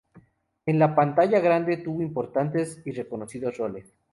En la pantalla grande tuvo importantes y reconocidos roles.